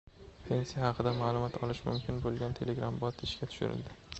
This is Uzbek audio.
Pensiya haqida ma’lumot olish mumkin bo‘lgan Telegram-bot ishga tushirildi